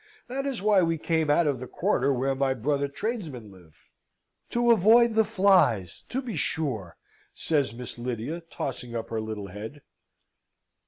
That is why we came out of the quarter where my brother tradesmen live." "To avoid the flies, to be sure!" says Miss Lydia, tossing up her little head.